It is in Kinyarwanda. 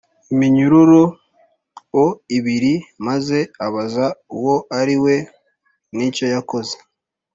Iminyururu o ibiri maze abaza uwo ari we n icyo yakoze